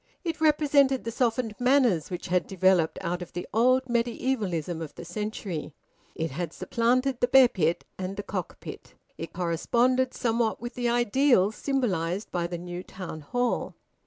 It represented the softened manners which had developed out of the old medievalism of the century. It had supplanted the bear pit and the cock pit. It corresponded somewhat with the ideals symbolised by the new Town Hall.